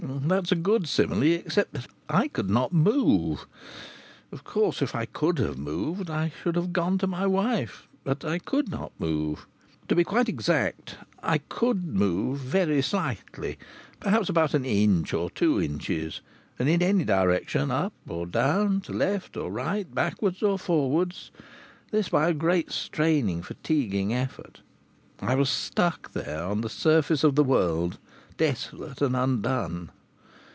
That is a good simile, except that I could not move. Of course if I could have moved I should have gone to my wife. But I could not move. To be quite exact, I could move very slightly, perhaps about an inch or two inches, and in any direction, up or down, to left or right, backwards or forwards; this by a great straining, fatiguing effort. I was stuck there on the surface of the world, desolate and undone.